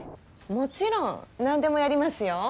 もちろん何でもやりますよ。